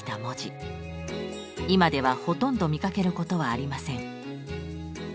今ではほとんど見かけることはありません。